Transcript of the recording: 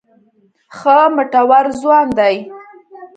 ښه مټور ځوان دی.